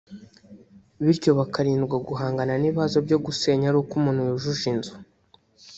bityo hakirindwa guhangana n’ibibazo byo gusenya ari uko umuntu yujuje Inzu